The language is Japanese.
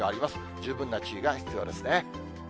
十分な注意が必要ですね。